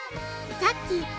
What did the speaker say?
さっきす